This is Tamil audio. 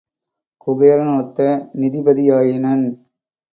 குபேர னொத்த நிதிபதியாயினன்.